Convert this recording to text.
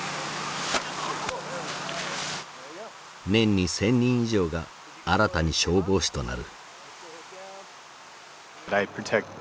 年に１，０００人以上が新たに消防士となる。